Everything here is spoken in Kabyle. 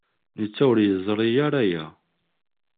Netta ur yeẓri ara aya.